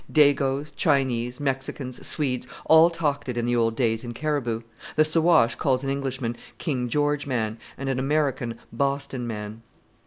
Dagoes, Chinese, Mexicans, Swedes, all talked it in the old days in Caribou. The Siwash calls an Englishman 'King George man' and an American 'Boston man.'"